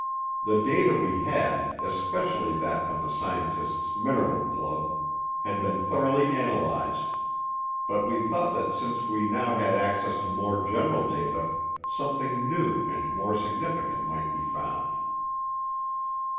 The data we had, especially that from the scientist's "mineral club," had been thoroughly analyzed, but we thought that since we now had access to more general data something new and more significant might be found.